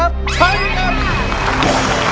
ใช้ครับ